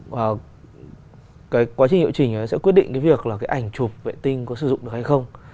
và cái quá trình hiệu chỉnh sẽ quyết định cái việc là cái ảnh chụp vệ tinh có sử dụng được hay không